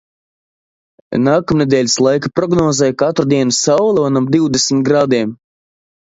Nākamnedēļas laika prognozē katru dienu saule un ap divdesmit grādiem.